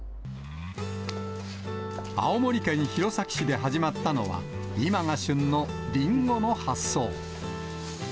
青森県弘前市で始まったのは、今が旬のりんごの発送。